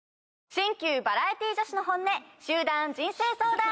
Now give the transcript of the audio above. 新旧バラエティ女子の本音集団人生相談！